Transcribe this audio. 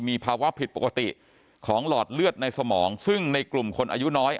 มีภาวะผิดปกติของหลอดเลือดในสมองซึ่งในกลุ่มคนอายุน้อย